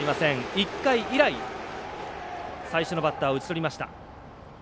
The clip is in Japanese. １回以来、最初のバッターを打ち取りました。